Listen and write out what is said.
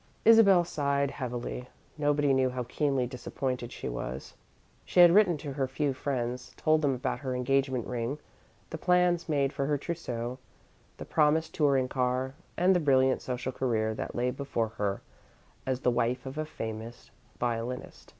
Isabel sighed heavily. Nobody knew how keenly disappointed she was. She had written to her few friends, told them about her engagement ring, the plans made for her trousseau, the promised touring car, and the brilliant social career that lay before her as the wife of a famous violinist.